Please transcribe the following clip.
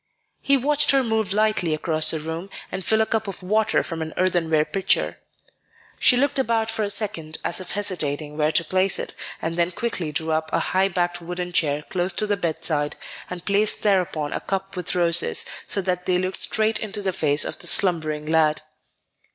He watched her move lightly across the room, and fill a cup with water from an earthenware pitcher. She looked about for a second as if hesitating where to place it, and then quickly drew up a high backed wooden chair close to the bedside, and placed thereon a cup with roses, so that they looked straight into the face of the slumbering lad.